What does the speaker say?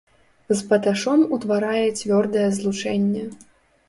З паташом утварае цвёрдае злучэнне.